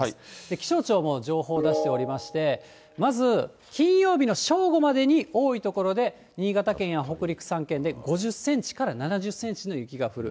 気象庁も情報を出しておりまして、まず金曜日の正午までに、多い所で新潟県や北陸３県で５０センチから７０センチの雪が降る。